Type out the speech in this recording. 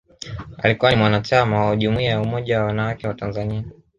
Alikuwa ni mwanachama wa Jumuiya ya Umoja Wanawake wa Tanzania